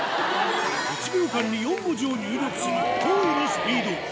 １秒間に４文字を入力する驚異のスピード